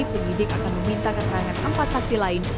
penyidik akan meminta keterangan empat saksi lain